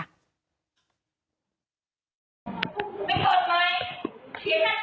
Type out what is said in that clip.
ไปเกิดใหม่ชิ้นแรกเกิน